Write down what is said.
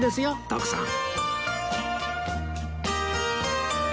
徳さん。